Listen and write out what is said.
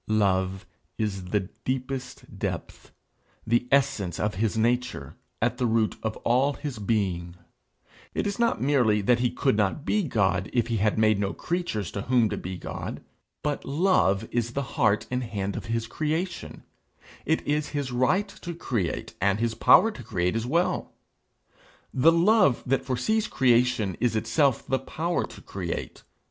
Love is the deepest depth, the essence of his nature, at the root of all his being. It is not merely that he could not be God, if he had made no creatures to whom to be God; but love is the heart and hand of his creation; it is his right to create, and his power to create as well. The love that foresees creation is itself the power to create.